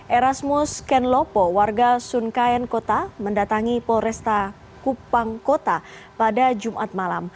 erasmus kenlopo warga sunkayan kota mendatangi polresta kupang kota pada jumat malam